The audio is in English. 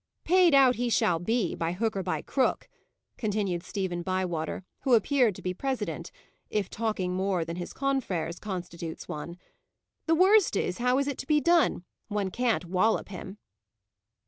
"Paid out he shall be, by hook or by crook," continued Stephen Bywater, who appeared to be president if talking more than his confrères constitutes one. "The worst is, how is it to be done? One can't wallop him."